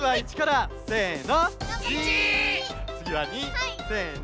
つぎは２せの！